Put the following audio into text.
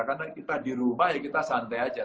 karena kita di rumah ya kita santai aja